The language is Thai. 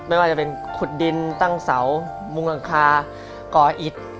ไม่ว่าจะเป็นขุดดินตั้งเสามุงหลังคาก่ออิด